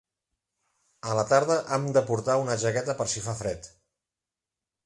A la tarda han de portar una jaqueta per si fa fred.